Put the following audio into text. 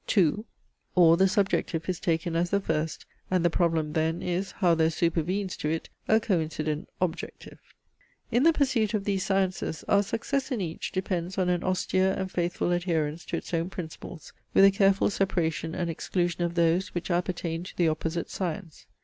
2. OR THE SUBJECTIVE IS TAKEN AS THE FIRST, AND THE PROBLEM THEN IS, HOW THERE SUPERVENES TO IT A COINCIDENT OBJECTIVE. In the pursuit of these sciences, our success in each, depends on an austere and faithful adherence to its own principles, with a careful separation and exclusion of those, which appertain to the opposite science.